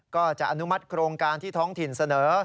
ก็จะอนุมัติโครงการที่ท้องถิ่นเสนอ